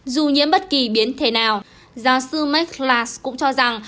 dù nhiễm bất kỳ biến thể nào giáo sư mike glass cũng cho rằng